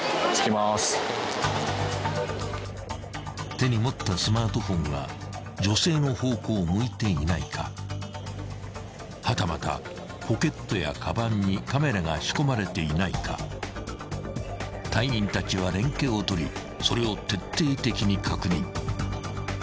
［手に持ったスマートフォンが女性の方向を向いていないかはたまたポケットやかばんにカメラが仕込まれていないか隊員たちは連携を取りそれを徹底的に確認］